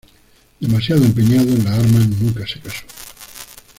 Demasiado empeñado en las armas nunca se casó.